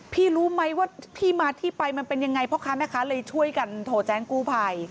รู้ไหมว่าที่มาที่ไปมันเป็นยังไงพ่อค้าแม่ค้าเลยช่วยกันโทรแจ้งกู้ภัย